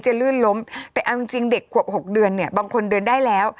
ลื่นล้มแต่เอาจริงเด็กขวบ๖เดือนเนี่ยบางคนเดินได้แล้ว